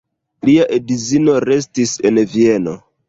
Lia edzino restis en Vieno.